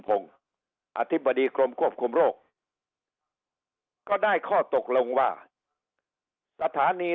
พงศ์อธิบดีกรมควบคุมโรคก็ได้ข้อตกลงว่าสถานี